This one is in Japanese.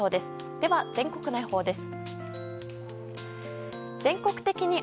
では、全国の予報です。